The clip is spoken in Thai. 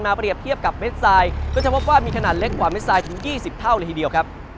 มาเปรียบเทียบกับเม็ดไซน์ก็จะพบว่ามีขนาดเล็กกว่าเม็ดไซน์ถึง๒๐เท่าละทีเดียว